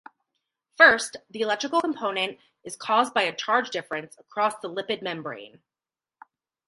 First, the electrical component is caused by a charge difference across the lipid membrane.